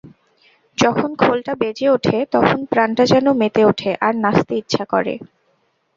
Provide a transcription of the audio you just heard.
যখন খোলটা বেজে ওঠে, তখন প্রাণটা যেন মেতে ওঠে আর নাচতে ইচ্ছে করে।